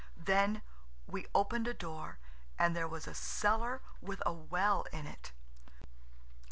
Then we opened a door and there was a cellar with a well in it.